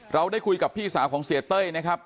เราได้คุยกับพี่สาวของเสียเต้ยนะครับ